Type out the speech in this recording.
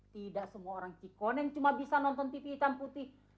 tidak semua orang cikoneng cuma bisa nonton tv hitam putih